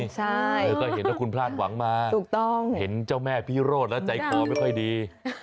ใช่ถูกต้องแล้วก็เห็นว่าคุณพลาดหวังมาเห็นเจ้าแม่พี่โรธแล้วใจคล้อไม่ค่อยดี